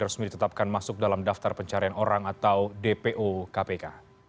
resmi ditetapkan masuk dalam daftar pencarian orang atau dpo kpk